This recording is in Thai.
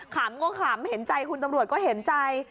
ขำก็ขำเห็นใจคุณตำรวจก็เห็นใจ